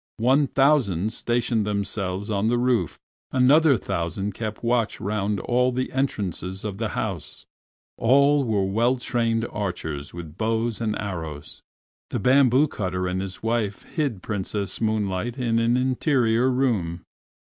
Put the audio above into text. One thousand stationed themselves on the roof, another thousand kept watch round all the entrances of the house. All were well trained archers, with bows and arrows. The bamboo cutter and his wife hid Princess Moonlight in an inner room.